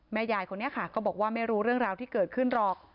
ยายคนนี้ค่ะก็บอกว่าไม่รู้เรื่องราวที่เกิดขึ้นหรอก